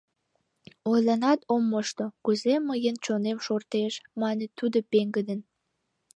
— Ойленат ом мошто, кузе мыйын чонем шортеш, — мане тудо пеҥгыдын.